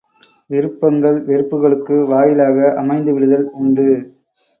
விருப்பங்கள், வெறுப்புகளுக்கு வாயிலாக அமைந்து விடுதல் உண்டு.